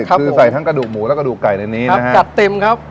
ครับผมคือใส่ทั้งกระดูกหมูแล้วกระดูกไก่ในนี้นะฮะครับกัดเต็มครับ